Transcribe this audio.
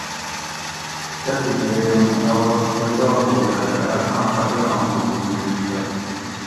تتھی بِرے اُوں ا وخ پیدا ہوگ راۤکہ اساں قتلاں حکم دِیش تہ